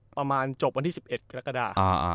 ประมาณจบวันที่๑๑แล้วก็ได้